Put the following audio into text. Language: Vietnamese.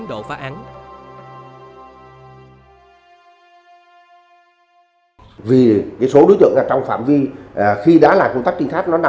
đối với thái độ của chúng